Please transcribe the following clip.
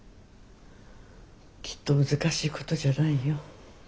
きっと難しいことじゃないよ。